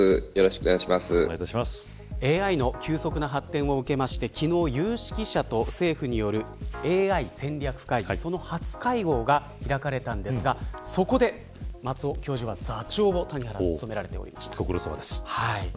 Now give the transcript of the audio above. ＡＩの急速な発展を受けまして昨日、有識者と政府によるＡＩ戦略会議その初会合が開かれたんですがそこで、松尾教授は座長を務められておりました。